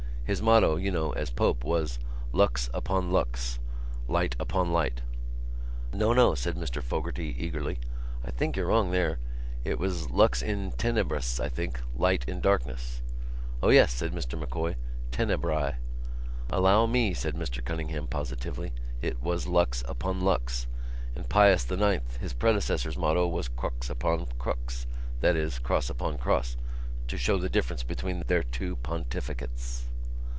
His motto, you know, as Pope, was Lux upon Lux—Light upon Light." "No, no," said Mr Fogarty eagerly. "I think you're wrong there. It was Lux in Tenebris, I think—Light in Darkness." "O yes," said Mr M'Coy, "Tenebrae." "Allow me," said Mr Cunningham positively, "it was Lux upon Lux. And Pius IX. his predecessor's motto was Crux upon Crux—that is, Cross upon Cross—to show the difference between their two pontificates."